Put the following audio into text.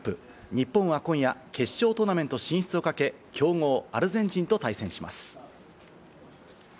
日本は今夜、決勝トーナメント進出をかけ、強豪アルゼンチンと対戦します。